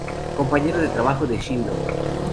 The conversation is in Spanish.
Compañero de trabajo de Shindo.